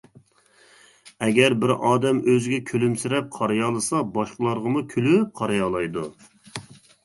ئەگەر بىر ئادەم ئۆزىگە كۈلۈمسىرەپ قارىيالىسا، باشقىلارغىمۇ كۈلۈپ قارىيالايدۇ.